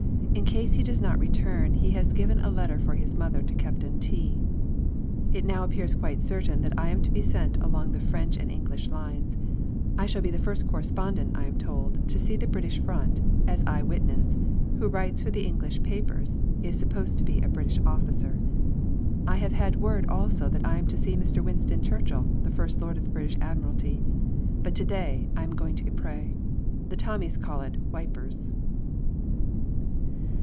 In case he does not return he has given a letter for his mother to Captain T . It now appears quite certain that I am to be sent along the French and English lines. I shall be the first correspondent, I am told, to see the British front, as "Eyewitness," who writes for the English papers, is supposed to be a British officer. I have had word also that I am to see Mr. Winston Churchill, the First Lord of the British Admiralty. But to day I am going to Ypres. The Tommies call it "Wipers."